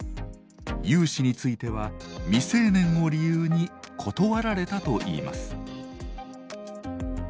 融資については未成年を理由に断られたといいます。